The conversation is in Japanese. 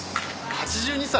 ８２歳！？